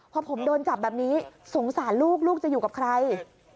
พอผมโดนจับแบบนี้สงสารลูกลูกจะอยู่กับใคร